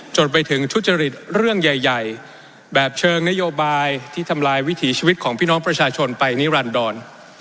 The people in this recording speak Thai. จนไปถึงทุจริตเรื่องใหญ่แบบเชิงนโยบายที่ทำลายวิถีชีวิตของพี่น้องประชาชนไปนิรันดร